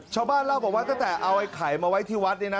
ชาวบ้านเล่าบอกว่าตั้งแต่เอาไอ้ไข่มาไว้ที่วัดเนี่ยนะ